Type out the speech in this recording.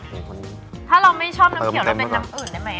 ถ้าเราไม่ชอบน้ำเขียวเราเป็นน้ำอื่นได้ไหม